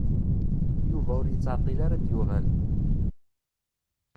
Yuba ur yettɛeṭṭil ara ad d-yuɣal.